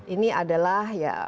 ini adalah ya